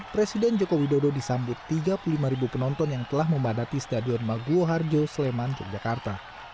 presiden joko widodo disambut tiga puluh lima penonton yang telah memadati stadion maguwo harjo sleman yogyakarta